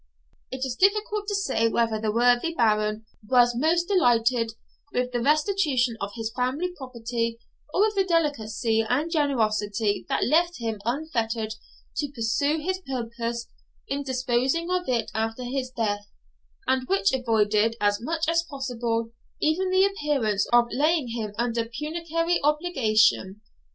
It is difficult to say whether the worthy Baron was most delighted with the restitution of his family property or with the delicacy and generosity that left him unfettered to pursue his purpose in disposing of it after his death, and which avoided as much as possible even the appearance of laying him under pecuniary obligation.